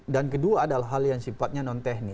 kedua adalah hal yang sifatnya non teknis